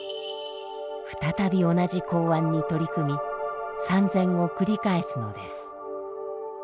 再び同じ公案に取り組み参禅を繰り返すのです。